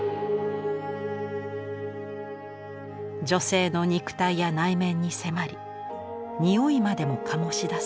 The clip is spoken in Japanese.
女性の肉体や内面に迫り匂いまでも醸し出す。